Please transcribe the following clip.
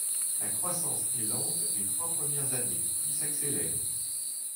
La croissance est lente les trois premières années puis s'accélère.